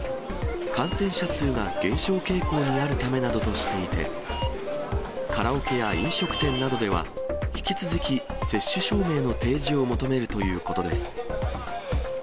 感染者数が減少傾向にあるためなどとしていて、カラオケや飲食店などでは、引き続き接種証明の提示を求めるということです。